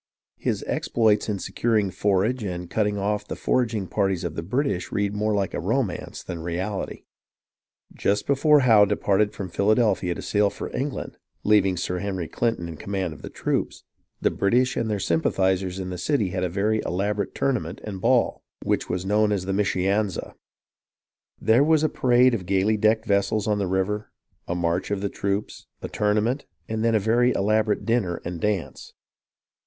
His exploits in securing forage and cutting off the foraging parties of the British read more like a romance than reality. Just before Howe departed from Philadelphia to sail for Eng land, leaving Sir Henry Clinton in command of the troops, the British and their sympathizers in the city had a very elaborate tournament and ball which was known as the Mischianza. There was a parade of gayly decked vessels on the river, a march of the troops, a tournament, and then a very elaborate dinner and dance.